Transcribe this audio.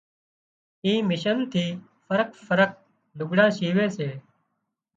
اي مشين ٿي فرق فرق لگھڙان شيوي سي